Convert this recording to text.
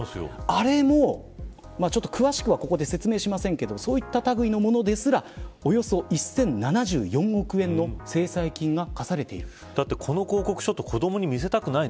あれも、ちょっと詳しくはここで説明しませんけどそういった類のものですらおよそ１０７４億の制裁金が科されている。